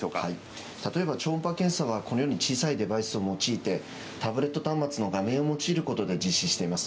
例えば超音波検査はこのように小さいデバイスを用いて、タブレット端末の画面を用いることで実施しています。